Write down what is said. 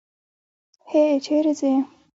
هی! چېرې ځې؟